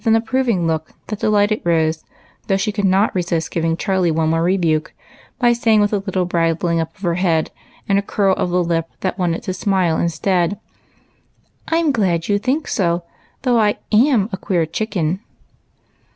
n approving look that delighted Rose, though she could not resist giving Charlie one more rebuke, by saying, with a little bridling up of the head, and a curl of the lip that wanted to smile instead, — "I'm glad you think so, though I am a 'queer chicken.'